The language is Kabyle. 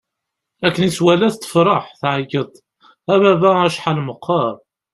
Akken i tt-walat, tefṛeḥ, tɛeggeḍ: A baba! Acḥal meqqeṛ!